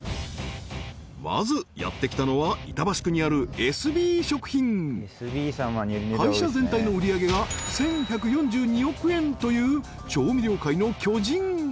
まずやってきたのは板橋区にあるエスビー食品会社全体の売り上げが１１４２億円という調味料界の巨人！